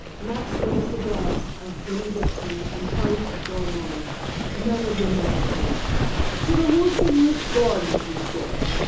Max raised a glass of benedictine and posed for a moment, melodramatically. "To the Wilson roof garden!" he said.